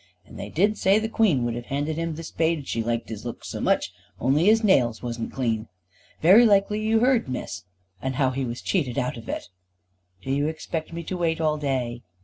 And they did say the Queen would have handed him the spade she liked his looks so much, only his nails wasn't clean. Very likely you heard, Miss And how he was cheated out of it." "Do you expect me to wait all day?"